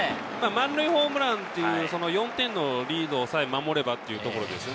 満塁ホームランという４点のリードさえ守ればというところですね。